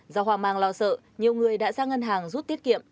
do hoàng mang lo sợ nhiều người đã sang ngân hàng rút tiết kiệm